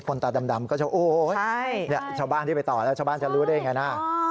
ตาดำก็จะโอ๊ยชาวบ้านที่ไปต่อแล้วชาวบ้านจะรู้ได้ยังไงนะ